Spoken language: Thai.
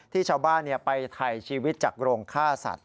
ที่ชาวบ้านนี่ไปไถชีวิตจากโรงค่าสัตว์